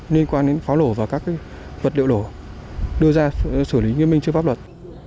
liên quan đến pháo nổ và các vật liệu nổ đưa ra xử lý nghiêm minh trước pháp luật